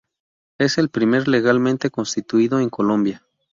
Es el primer legalmente constituido en Colombia.